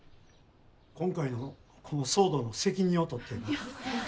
今回のこの騒動の責任を取ってやな。